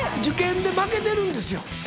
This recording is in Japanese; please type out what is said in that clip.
受験で負けてるんですよ